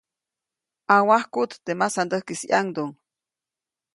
ʼNawajkuʼt teʼ masandäjkis ʼyaŋduŋ.